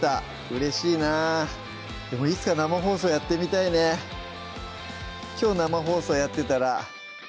うれしいなでもいつか生放送やってみたいねきょう生放送やってたら放送事故！